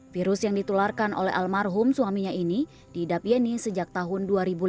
virus yang ditularkan oleh almarhum suaminya ini diidap yeni sejak tahun dua ribu lima belas